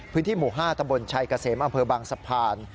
พื้นที่หมู่๕ตำบลชัยเกษมอำเภอบางสะพาน